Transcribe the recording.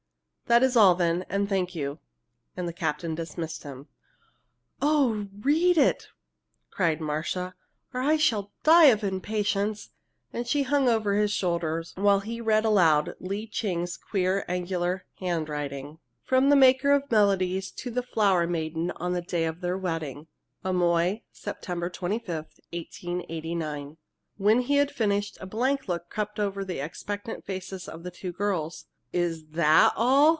"That is all, then, and thank you!" And the captain dismissed him. "Oh, read it," cried Marcia, "or I shall die of impatience!" and she hung over his shoulder while he read aloud Lee Ching's queer, angular handwriting. [Illustration: Writing: "From the maker of melodies to the flower maiden on this day of their wedding. Amoy, Sept. 25, 1889."] When he had finished, a blank look crept over the expectant faces of the two girls. "Is that all?"